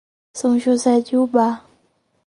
São José de Ubá